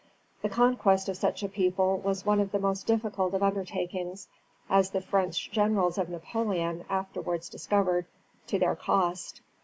The conquest of such a people was one of the most difficult of undertakings, as the French generals of Napoleon afterwards discovered, to their cost.